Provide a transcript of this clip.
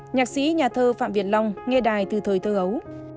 nhạc sĩ nhà thơ phạm việt long nghe đài từ thời thơ ấu